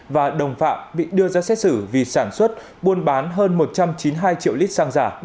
và đồng phạm bị đưa ra xét xử vì sản xuất buôn bán hơn một trăm chín mươi hai triệu lít xăng giả